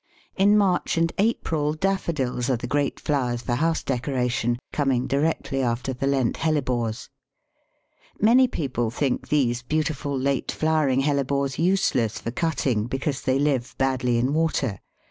In March and April Daffodils are the great flowers for house decoration, coming directly after the Lent Hellebores. Many people think these beautiful late flowering Hellebores useless for cutting because they live badly in water.